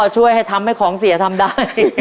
อ๋อช่วยทำให้ของเสียทำได้